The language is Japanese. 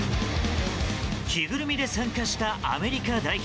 着ぐるみで参加したアメリカ代表。